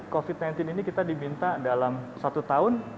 covid sembilan belas ini kita diminta dalam satu tahun